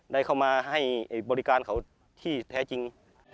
ได้เข้ามาให้บริการเขาที่แท้จริง